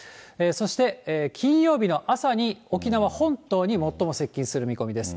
そして金曜日の朝に、沖縄本島に最も接近する見込みです。